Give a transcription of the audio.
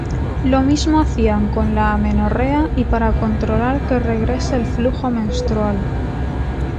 Lo mismo hacían con la amenorrea y para controlar que regrese el flujo menstrual.